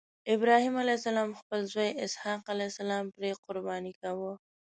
ابراهیم علیه السلام خپل زوی اسحق علیه السلام پرې قرباني کاوه.